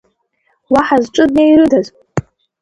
Уаҳа зҿы днеирыдаз?